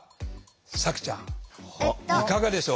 冴姫ちゃんいかがでしょうか？